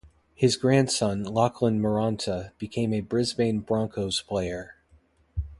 His grandson Lachlan Maranta, became a Brisbane Broncos player.